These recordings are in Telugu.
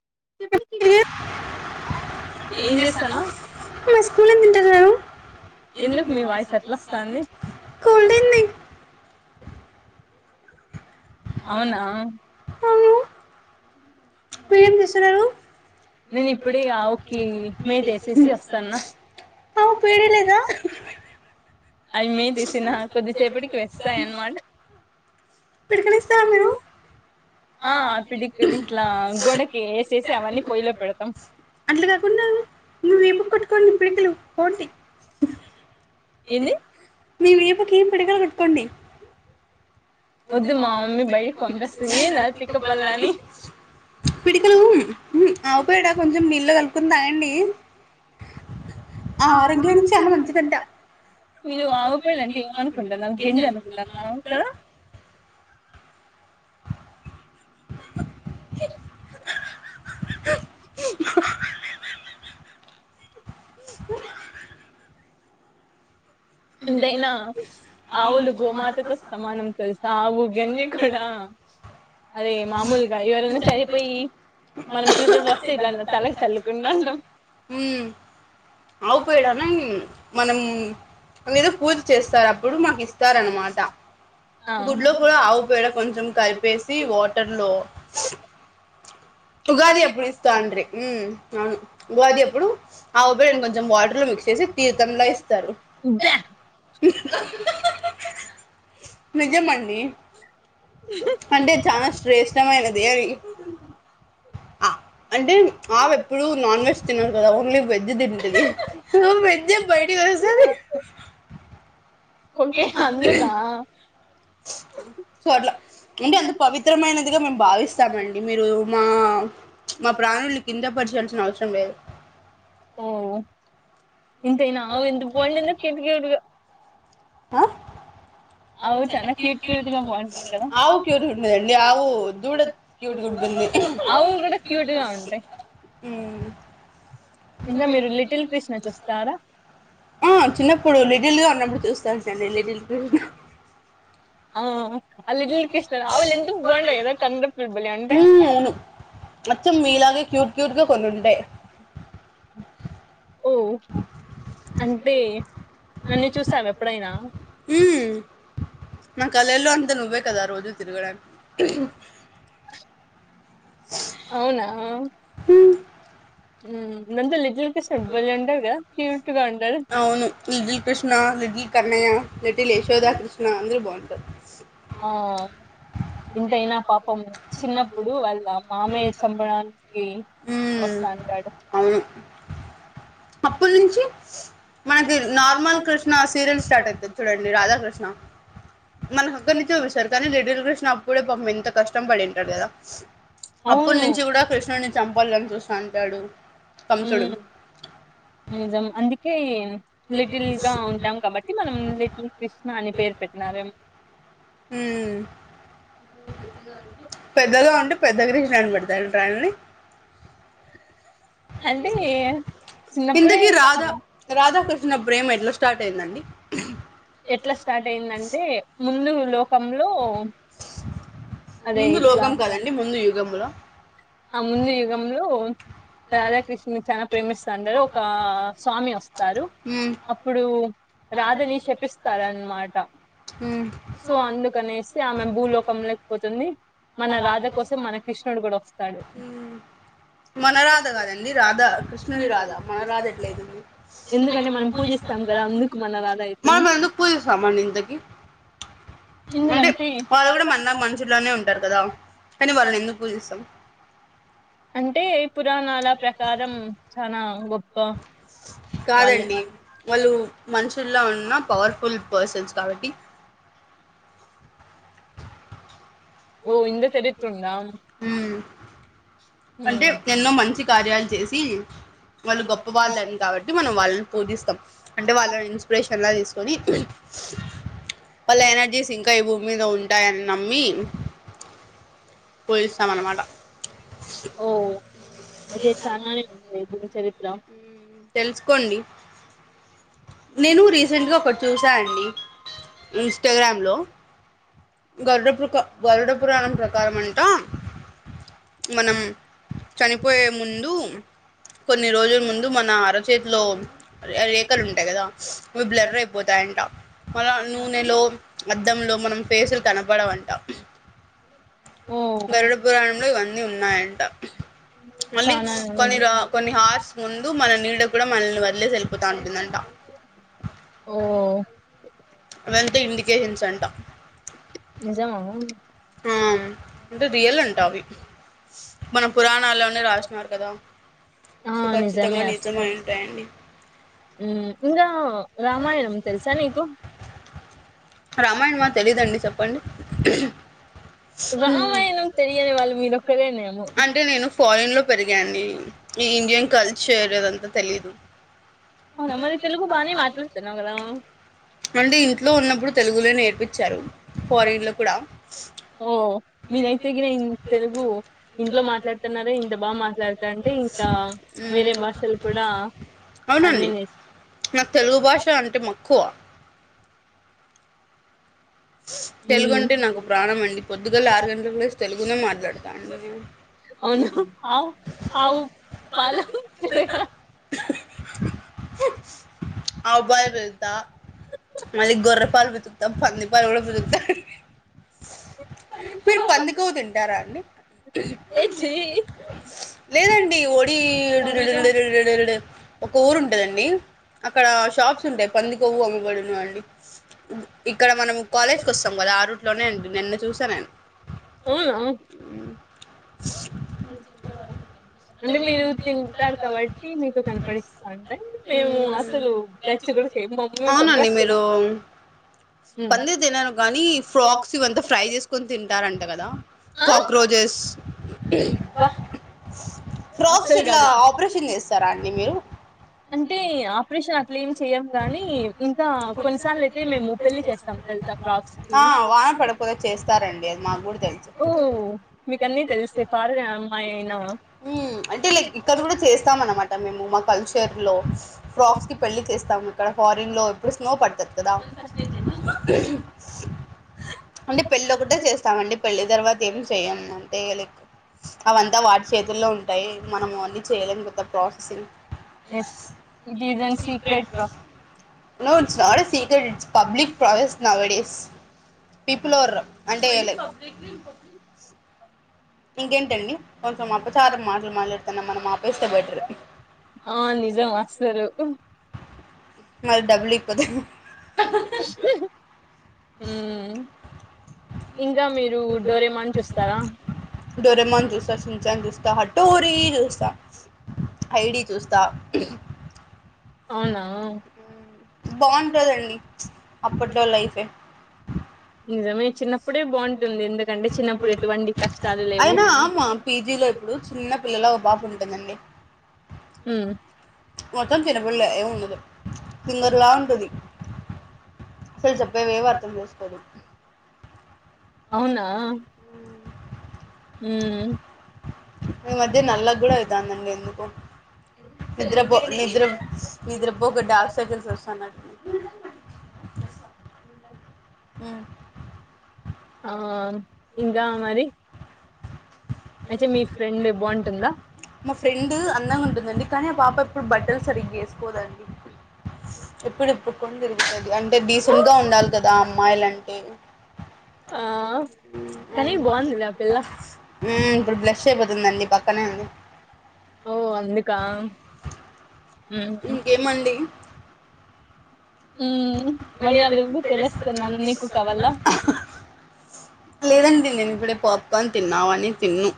[inaudible] అవునా మీరేం చేస్తున్నారు ఆవు పేడ లేదా అవి మేత ఏసినా కొద్దిసేపటికి వేస్తాయన్నమాట [unintelligible] ఏంది పిడికలు ఆవుపేడా కొంచెం నీళ్ళ లో కలుపుకుని తాగండి ఆరోగ్యానికి చాలా మంచిదంట మీరు ఆవు పేడ అంటే ఏమనుకుంటున్నావ్ గెంజి అనుకుంటున్నావా ఇక్కడ ఎంతైనా ఆవులు గోమాతతో సమానం తెలుసా ఆవు గెంజి కూడా అదే మామూలుగా ఎవరైనా చనిపోయి మనం చూసేసి వస్తే ఇలా తలకు చల్లుకుంటాంటాం వాళ్లు ఏదో పూజ చేస్తారు అప్పుడు మాకు ఇస్తారనమాట గుడ్లో కూడా ఆవు పేడ కొంచెం కలిపేసి వాటర్ లో ఉగాది ఎప్పుడు ఇస్తా అండ్రి అవును ఉగాది ఎప్పుడు ఆవు పేడ కొంచెం వాటర్ లో మిక్స్ చేసి తీర్తంలా ఇస్తారు నిజమ అండి అంటే చాలా శ్రేష్టమైనది అంటే ఆవు ఎప్పుడు నాన్ వెజ్ తిన్నారు కదా ఓన్లీ వెజ్ తింటది వెజే బయటకి వస్తది ఓకే అందుక సో అట్లా అంటే అంత పవిత్రమైనదిగా మేము భావిస్తామండి మీరు మా మా ప్రాణుల్ని కించ పరచాల్సిన అవసరం లేదు ఇంతేయినా ఆవు ఎందుకు పోయి ఉంటుంది [unintelligible] ఆ ఆవు క్యూట్ గుండదండి ఆవు దూడ క్యూట్ గుంటుంది ఉ ఇంకా మీరు లిటిల్ కృష్ణ చూస్తారా ఆ చిన్నప్పుడు లిటిల్ గా ఉన్నప్పుడు చూస్తాంటి నండి లిటిల్ కృష్ణ ఆ ఆ లిటిల్ కి ఊ అవును అచ్చం మీ లాగే క్యూట్ క్యూట్ గా కొన్ని ఉంటాయ్ అంటే నన్ను చూసావా ఎప్పుడైనా హ మా కలెల్లో అంతా నవ్వేదా రోజు తిరుగడానికి అవునా ఉ ముందు లి లిటిల్ కృష్ణ బలే ఉండేది కదా [unintelligible] అవును లిటిల్ కృష్ణ ది ఈ కన్నణయ లిటిల్ యశోధ కృష్ణ అందరూ బాగుం స [unintelligible] ఆ ఇంతైనా పాపం చిన్నప్పుడు వాళ్ళ మామయ్య చంపడానికి వస్తుంటాడు అప్పుడు నుంచి మనకి నార్మల్ కృష్ణ సీరియల్ స్టార్ట్ అవుతుంది చూడండి రాధాకృష్ణ మనం అక్కడనుంచి చూపిస్తారు కానీ లిటిల్ కృష్ణ అప్పుడే పాపం ఎంత కష్టం పడింటారు కదా అప్పుటి నుంచి కూడా కృష్ణుడిని చంపాలని చూస్త టడు కంసుడు నిజం అందుకే ఏ లిటిల్ గా ఉంటాం కాబట్టి మనం లిటిల్ క్రిస్ నాని పేరు పెట్టినావేం హ్మ్ పెద్దగా ఉంటే పెద్దగారిసి [unintelligible] పెడతా ట్రాని ఇంతకీ రాధా రాధాకృష్ణ ప్రేమ ఎట్లా స్టార్ట్ అయిందండి ఎట్లా స్టార్ట్ అయిందంటే మ్ ముందు లోకంలో ముందు లోకం కదండి ముందు యుగములో ఆ ముందు యుగంలో రాధాకృష్ణ చాలా ప్రేమిస్తాడు అ ఒక స్వామి వస్తారు అప్పుడు రాదని షపిస్తారన్నమాట సో అందుకనేసి ఆమె భూలోకంలోకి పోతుంది మ్మ్ మన రాధ కోసం మన కృష్ణుడు కూడా వస్త మన రాధ కాదండి రాధ కృష్ణుడు రాధ మన రాధ ఎట్లా అయితది ఎందుకు అంటే మనం పూజిస్తాం కదా అందుకే మన రాధా అయితది మనం ఎందుకు పూజిస్తామండి ఇంతక అంటే వాళ్ళు కూడా మన్న మనుషుల్లోనే ఉంటారు కదా కానీ వాళ్ళని ఎందుకు పూజిస్తాం అంటే పురాణాల ప్రకారం చనా గొప్ప కాదండి వాళ్ళు మనుషుల్లో ఉన్న పవర్ఫుల్ పర్సన్స్ కాబట్టి ఓ ఇంత చరిత్ర ఉందా అంటే ఎన్నో మంచి కార్యాలు చేసి వాళ్ళు గొప్పవాళ్ళని కాబట్టి మనం వాళ్ళని పూజిస్తాం అంటే వాళ్ళని ఇన్స్పిరేషన్లా తీసుకొని వాళ్ళ ఎనర్జీస్ ఇంకా ఈ భూమి మీద ఉంటాయని నమ్మి పూజిస్తామన్నా మాట ఓ అదే చాలనే ఉంది ఉ చరిత్ర తెలుసుకోండి నేను రీసెంట్గా ఒకటి చూసా అండి ఇన్స్టాగ్రామ్ లో గరుడ ప్రక గరుడ పురాణం ప్రకారం అంటా మనం చనిపోయే ముందు కొన్ని రోజుల ముందు మన అరచతిలో రేఖలు ఉంటాయి కదా అవి బ్లర్ అయిపోతాయంట మళ నూనెలో అద్దంలో మనం కనబడవు అంట గరుడపురాణంలో ఇవన్నీ అని ఉన్నాయంట మళ్ళీ కొన్ని కొన్ని హార్స్ ముందు మన నీడ కూడా మనల్ని వదిలేసి వెళ్ళిపో [unintelligible] అంట అవంతా ఇండికేషన్స్ అంట నిజమ ఆ అంటే రియల్ అంట అవి మనం పురాణాల్లోనే రాసినారు కదా సో ఖచ్చితంగా నిజమై ఉంటాయండి రామాయణమా తెలీదండి చెప్పండి ఉహ్ అంటే నేను ఫారెన్ లో పెరిగానండి ఉం ఈ ఇండియన్ కల్చర్ అదంతా తెలీదు అవునా మరి తెలుగు బానే మాట్లాడుతున్నావు గదా మళ్ళీ ఇంట్లో ఉన్నప్పుడు తెలుగులో నేర్ పిచ్చారు ఓ మీరైతే గిన తెలుగు ఇంట్లో మాట్లాడుతున్నారే ఇంత బా మా మాట్లాడతాంటే ఇంకా వేరే భాషలు కూడా అన్ని నేర్చు తెలుగు అంటే నాకు ప్రాణం అండి పొద్దుగల ఆరు గంటలకు లేసి తెలుగునే మాట్లాడతా నేను ఇ [inaudible] అఏవుపాలు పితుకుతా మళ్ళీ గొర్రె పాలు పితుకుతా పంది పాలు కూడా బపితుకుతా హ్ హ్ హ్ మీరు పందికొవ్వు తింటారా అండి లేదండి ఒడి డురు డురు డురు డురు ఒక ఊరు ఉంటదండి అక్కడ షాప్స్ ఉంటాయి పందికొవ్వు అమ్మబడును అని ఇక్కడ మనం కాలేజ్ కి ఒస్తాం కదా ఆ రూట్లోనే అండి నిన్న చూసా నేను అవునా అంటే మీరు తింటారు కాబట్టి మీకు కనపడిస్తాందా మేము అసలు టచ్చి కూడా చేయము మమ్మీ చంపేస్తది పంది తినను కానీ ఫ్రాగ్స్ ఇవంతా ఫ్రై చేసుకొని తింటారంట కదా కాక్రోచెస్ వా అస్సలు కాదు అంటే ఆపరేషన్ అట్లా ఏమి చేయము గాని ఇంకా కొన్నిసార్లు అయితే మేము పెళ్లి చేస్తాం తెలుసా ఫ్రాగ్స్ కీ ఓ మీకన్నీ తెలుస్తాయ్ ఫారెన్ అమ్మాయి తిన్నావా మ్ అంటే లైక్ ఇక్కడ కూడా చేస్తాం అనమాట మేము మా కల్చర్ లో ఫ్రాగ్స్ కి పెళ్లి చేస్తాము ఇక్కడ ఫారిన్ లో ఇప్పుడు స్నో పడుతది కదా అంటే పెళ్ళి ఒకటే చేస్తామండి పెళ్లి తర్వాత ఏమి చేయ్యం అంటే లైక్ అవంతా వా చేతుల్లో ఉంటాయి మనము అన్ని చేయలేం పెద్ద processing no it's not a secrets public process nowadays people are అంటే ఏం లేద్ ఇంకేంటండి కొంచెం అపచారం మాటలు మాట్లాడు టం మనం ఆపేస్తే బెటరు ఆ నిజం అస్సలు అ [inaudible] మరి డబ్బులియక పోతే హ్మ్... ఇంకా మీరు డోరేమాన్ చూస్తారా [inaudible] ద హట్టోరీ చూస్తా హైడీ చూస్తా అవునా నిజమే చిన్న ప్పుడే బాంట్ టుంది ఎందుకంటే చిన్నప్పుడు ఎటువంటి కష్టాలు లేవు పిల్లలో ఓ పాపుంటుందండి హ్మ్ మొత్తం తినబలే ఏముండదు [inaudible] తింగరిలా ఉంటది అసలు చెప్పేవేమి అర్థం చేసుకోదు అవునా హ్మ్ ఈ మధ్య నల్లగా కూడా అయితందట ఎందుకో ఒ నిద్రపో నిద్ర నిద్రపోక డార్క్సైకిల్స్ వస్తున్నాయి అ ఆ ఇంకా మరి మా ఫ్రెండ్ అందంగా ఉంటుందండి కానీ ఆ పాప ఎప్పుడు బట్టలు సరిగ వేసికోదండి ఇప్పుడిప్పుడు కొందరు అంటే డీసెంట్గా ఉండాలి కదా అమ్మాయిలంటే ఏ ఆ కానీ బాగుందిలే ఆ పిల్ల బ్లష్ అయిపోతుందండి తనే అండి ఓ అందుకా ఇంకేమండి వడియాలు తెలుస్తున్నాను నీకు కావలా లేదండి నేను ఇప్పుడే పాప్కార్న్ తిన్నావని తిన్నూ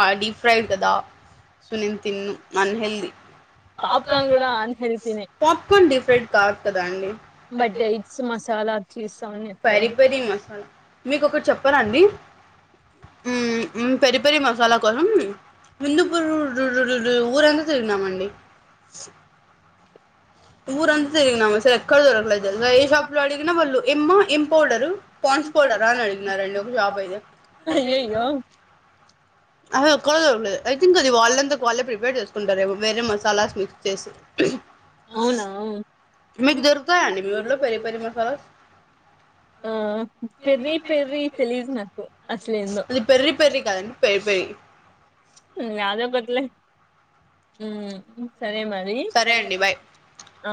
ఆ డీఫ్రైడ్ కదా. సో నేను తిన్ను అన్ హెల్ది పాప్కార్న్ డీఫ్రైడ్ కాదు కదా అండి బట్ ఇట్స్ మసాలా చాల పెరి పెరి మసాలా మీకు ఒకటి చెప్పనండి ఉమ్ పెరి పెరి మసాలా కోసం ముందుపుూరు ఊరంతా తిరిగినామండి సి ఊరంతా తిరిగినామ అసలు ఎక్కడ దొరకలేదు తెల్సా ఏ షాప్ లో అడిగినా వాళ్ళు ఏమో ఎం పౌడర్ పాన్స్ పౌడరా అని అడిగినారండి ఒక షాప్ అయితే అది ఎక్కడ దొరకలేదు ఐ థింక్ అది వాళ్ళంతా వాళ్ళే ప్రిపేర్ చేసుకుంటారు వేరే మసాలాస్ మిక్స్ చేసి మీకు దొరుకుతాయా అండి మీ ఊరిలో పెరిపెరి మసాల ఆ పెర్రి పెర్రి తెలీదు నాకూ అ అది పేర్రి పేర్రి కాదండి పెరి పెరి ఉహూ సరే మరి ఆ